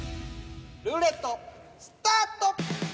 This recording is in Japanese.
ルーレットスタート！